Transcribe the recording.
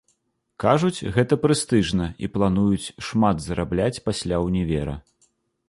Кажуць, гэта прэстыжна, і плануюць шмат зарабляць пасля ўнівера.